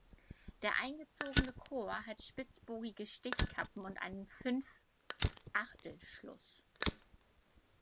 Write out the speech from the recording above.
Der eingezogene Chor hat spitzbogige Stichkappen und einen Fünfachtelschluss.